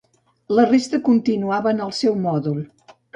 La resta continuaven al seu mòdul.